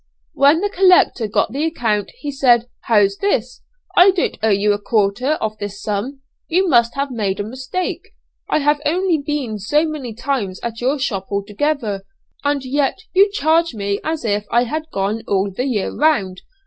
When the collector got the account, he said, 'How's this? I don't owe you a quarter of this sum; you must have made a mistake. I have only been so many times at your shop altogether, and yet you charge me as if I had gone all the year round.'